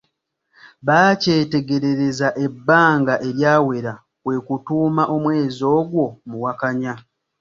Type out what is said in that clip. Baakyetegerereza ebbanga eryawera kwe kutuuma omwezi ogwo Muwakanya.